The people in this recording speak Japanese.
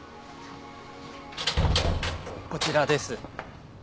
こちらです。